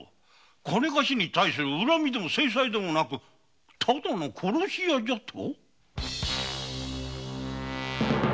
金貸しに対する恨みでも制裁でもなく単なる殺し屋だと！？